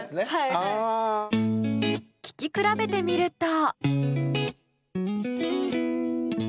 聴き比べてみると。